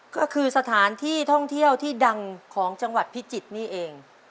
ก็คือสถานที่ท่องเที่ยวที่ดังของจังหวัดพิจิตรนี่เอง